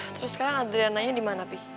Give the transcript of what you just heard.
terus sekarang adriananya dimana pih